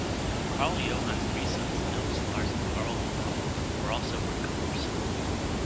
Carl Johan's three sons, Nils, Lars and Carl Olaf were also woodcarvers.